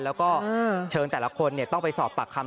แล้วก็เชิญแต่ละคนต้องไปสอบปากคำ